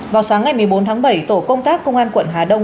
vào sáng ngày một mươi bốn tháng bảy tổ công tác công an quận hà đông